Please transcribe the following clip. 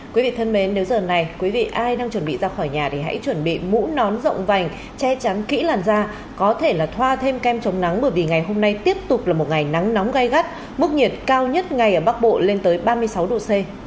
quý vị thân mến nếu giờ này quý vị ai đang chuẩn bị ra khỏi nhà thì hãy chuẩn bị mũ nón rộng vành che chắn kỹ làn da có thể là thoa thêm kem chống nắng bởi vì ngày hôm nay tiếp tục là một ngày nắng nóng gai gắt mức nhiệt cao nhất ngày ở bắc bộ lên tới ba mươi sáu độ c